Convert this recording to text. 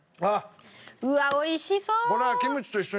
うわっ美味しそう！